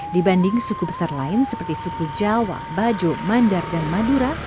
dibanding suku besar lain seperti suku jawa bajo mandar dan madura